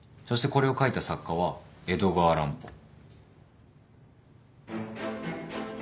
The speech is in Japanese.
そしてこれを書いた作家は江戸川乱歩。